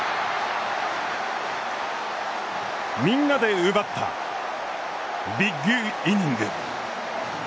みんなで奪ったビッグイニング。